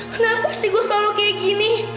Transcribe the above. kenapa sih gue solo kayak gini